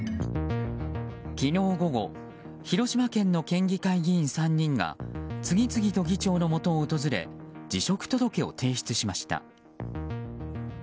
昨日午後広島県の県議会議員３人が次々と議長のもとを訪れ辞職届を提出しました。